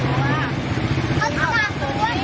ขอสามตัว